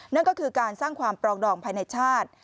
นั่นก็คือการสร้างความปรองดองภายในชาติ